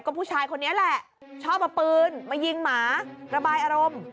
ผู้ชายคนนี้แหละชอบเอาปืนมายิงหมาระบายอารมณ์